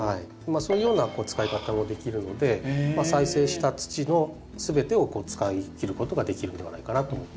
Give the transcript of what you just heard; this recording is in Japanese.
そういうような使い方をできるので再生した土の全てを使いきることができるんではないかなと。